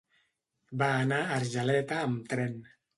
Va anar a Argeleta amb tren.